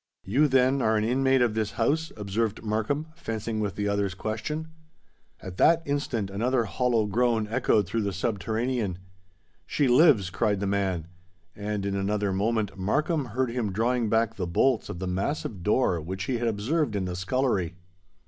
"You then are an inmate of this house?" observed Markham, fencing with the other's question. At that instant another hollow groan echoed through the subterranean. "She lives!" cried the man; and in another moment Markham heard him drawing back the bolts of the massive door which he had observed in the scullery.